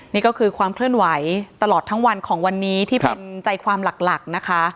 นี่ก็คือความเคลื่อนไหวตลอดทั้งวันของวันนี้ที่เป็นใจความหลักนะคะ